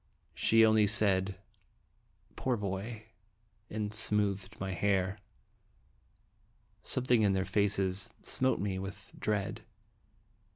She only said, "Poor boy!" and smoothed my hair. Something in their faces smote me with dread.